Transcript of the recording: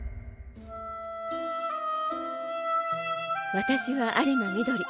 私は有馬みどり。